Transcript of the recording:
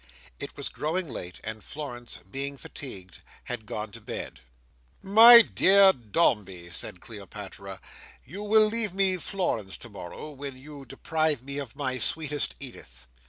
It was growing late; and Florence, being fatigued, had gone to bed. "My dear Dombey," said Cleopatra, "you will leave me Florence to morrow, when you deprive me of my sweetest Edith."